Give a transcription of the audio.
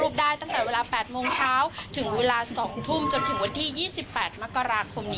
พัฒนาวรรม